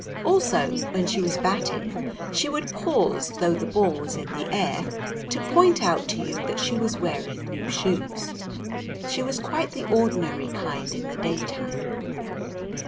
Also, when she was batting she would pause though the ball was in the air to point out to you that she was wearing new shoes. She was quite the ordinary kind in the daytime.